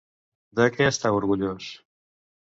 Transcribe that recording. De què està orgullós?